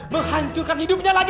menghancurkan hidupnya lagi